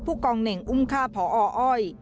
กองเหน่งอุ้มฆ่าพออ้อย